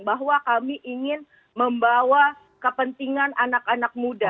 bahwa kami ingin membawa kepentingan anak anak muda